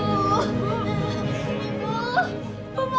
ibu ibu ibu